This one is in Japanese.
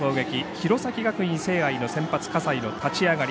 弘前学院聖愛の先発葛西の立ち上がり。